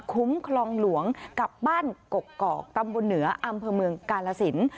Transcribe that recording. คุ้มคลองหลวงกับบ้านกกอกตำบลเหนืออำเภอเมืองกาลสิน